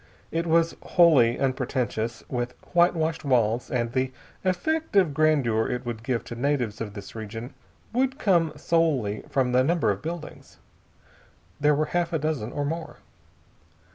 It was wholly unpretentious, with whitewashed walls, and the effect of grandeur it would give to natives of this region would come solely from the number of buildings. There were half a dozen or more.